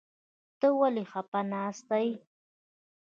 ته ولې خپه ناسته يې ؟